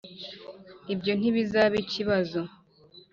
ibyo ntibizaba ikibazo.